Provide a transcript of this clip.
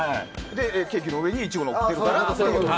ケーキの上にイチゴがのってるからと。